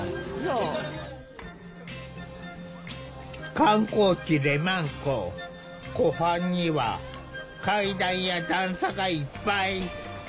観光地湖畔には階段や段差がいっぱい。